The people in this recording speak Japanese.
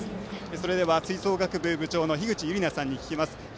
それでは吹奏楽部部長のひぐちゆりなさんに聞きます。